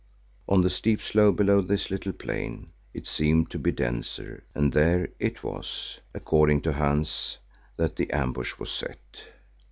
On the steep slope below this little plain it seemed to be denser and there it was, according to Hans, that the ambush was set.